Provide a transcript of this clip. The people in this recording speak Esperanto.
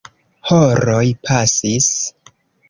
Horoj pasis.